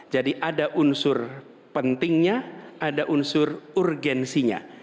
jadi ada unsur pentingnya ada unsur urgensinya